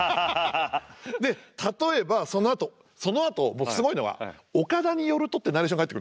で例えばそのあとそのあとすごいのは「岡田によると」ってナレーションが入ってくるのよ。